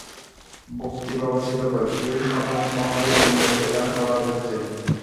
ভক্তিভাবাশ্রিত কয়েকটি সাধনপ্রণালীর উল্লেখ এখানে করা যাচ্ছে।